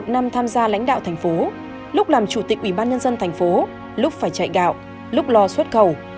một mươi một năm tham gia lãnh đạo thành phố lúc làm chủ tịch ủy ban nhân dân thành phố lúc phải chạy gạo lúc lo xuất cầu